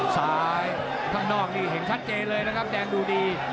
ข้างนอกนี่เห็นชัดเจนเลยนะครับแดงดูดี